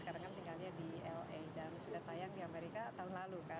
karena kan tinggalnya di la dan sudah tayang di amerika tahun lalu kan